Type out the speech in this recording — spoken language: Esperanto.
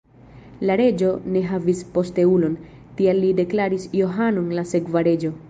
La reĝo ne havis posteulon, tial li deklaris Johanon la sekva reĝo.